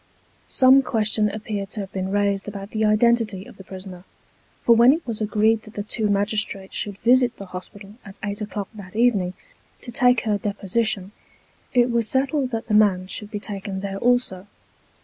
Some question appeared to have been raised about the identity of the prisoner ; for when it was agreed that the two magistrates should visit the hospital at eight o'clock that evening, to take her deposition, it was settled that the man should be taken there also.